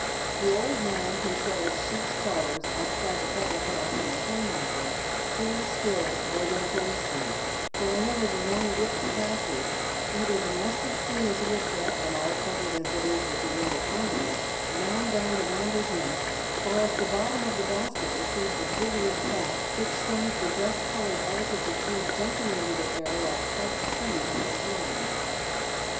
The old man who sells sheep' s trotters outside the public house in the Hay market fears Phil more than a policeman, for when ever the young rip passes, either the mustard spoon is whipped up, and all covered as it is with the yellow condiment, rammed down the vendor's neck, or else the bottom of the basket receives a vigorous tap, which sends the dust coloured articles of food jumping into the air like parched peas on a drum.